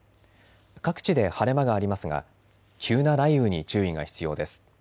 各地で晴れ間がありますが急な雷雨に注意が必要です。